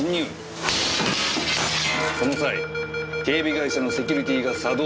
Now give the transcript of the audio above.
その際警備会社のセキュリティが作動。